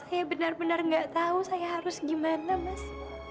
saya benar benar gak tahu saya harus gimana mas